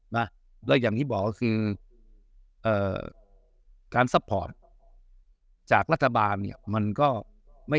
นะแล้วอย่างที่บอกก็คือการซัพพอร์ตจากรัฐบาลเนี่ยมันก็ไม่